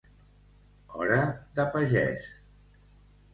Hora de pagès.